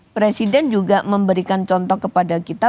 presiden juga memberikan contoh kepada kita